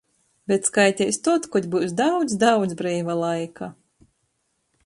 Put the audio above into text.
Bet skaiteis tod, kod byus daudz, daudz breiva laika.